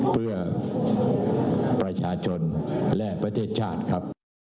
เพื่อประชาชนและประเทศชาติครับ